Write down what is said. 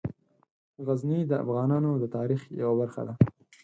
غزني د افغانانو د تاریخ یوه برخه ده.